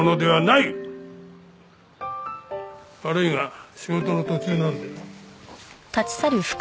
悪いが仕事の途中なんで。